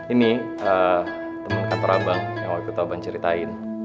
ini temen kantor abang yang mau ikut abang ceritain